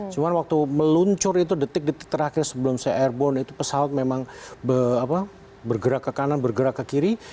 cuma waktu meluncur itu detik detik terakhir sebelum saya airborne itu pesawat memang bergerak ke kanan bergerak ke kiri